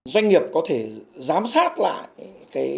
doanh nghiệp có thể giám sát lại